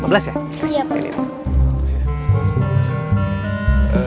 iya pak ustadz